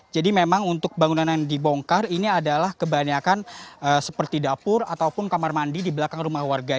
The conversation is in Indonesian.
jadi memang untuk bangunan yang dibongkar ini adalah kebanyakan seperti dapur ataupun kamar mandi di belakang rumah warga